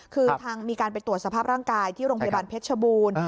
คือทางมีการไปตรวจสภาพร่างกายที่โรงพยาบาลเพชรชบูรณ์